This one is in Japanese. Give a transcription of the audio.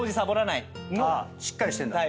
しっかりしてんだ。